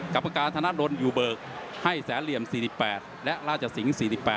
กรรมการทนนทรนอยู่เบลอิกปิงให้แสล๔๘และราชสิง๔๘